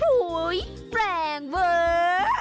อุ้ยแปลงเวอร์